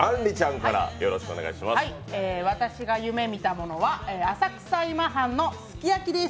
私が夢みたものは、浅草今半のすき焼です。